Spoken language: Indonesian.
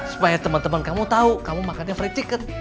supaya temen temen kamu tahu kamu makannya fried chicken